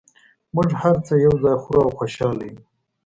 موږ هر څه یو ځای خورو او خوشحاله یو